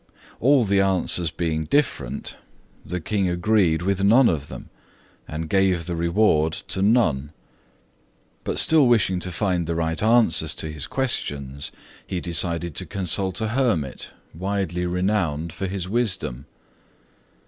All the answers being different, the King agreed with none of them, and gave the reward to none. But still wishing to find the right answers to his questions, he decided to consult a hermit, widely renowned for his wisdom.